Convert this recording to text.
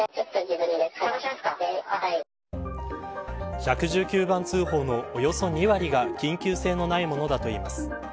１１９番通報のおよそ２割が緊急性のないものだといいます。